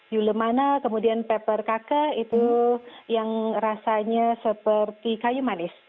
yulemana kemudian pepper kake itu yang rasanya seperti kayu manis